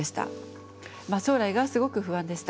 将来がすごく不安でした。